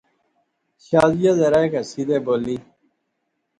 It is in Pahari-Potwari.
شازیہ ذرا ہیک ہسی تے بولی